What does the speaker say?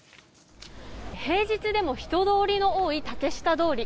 平日でも人通りの多い竹下通り。